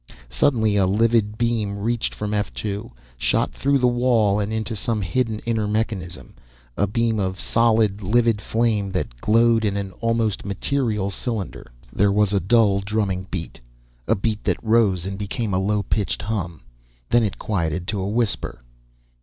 Suddenly, a livid beam reached from F 2, shot through the wall, and to some hidden inner mechanism a beam of solid, livid flame that glowed in an almost material cylinder. There was a dull, drumming beat, a beat that rose, and became a low pitched hum. Then it quieted to a whisper.